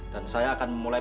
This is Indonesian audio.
dan saya akan memulai